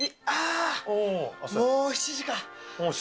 ああ、もう７時か。